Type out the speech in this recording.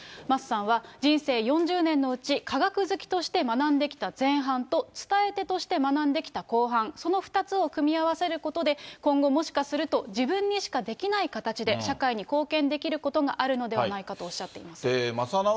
桝さんは人生４０年のうち、科学好きとして学んできた前半と、伝え手として学んできた後半、その２つを組み合わせることで、今後もしかすると、自分にしかできない形で、社会に貢献できることがあるのではないかとおっしゃっています。